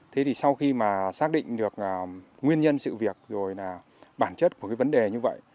thế thì sau khi mà xác định được nguyên nhân sự việc rồi là bản chất của cái vấn đề như vậy